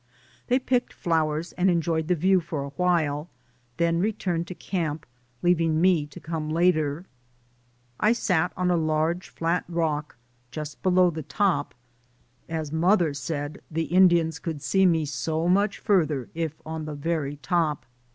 They picked flowers and enjoyed the view for a while, then returned to camp, DAYS ON THE ROAD. 139 leaving me to come later. I sat on a large flat rock, just below the top, as mother said, *The Indians could see me so much farther if on the very top."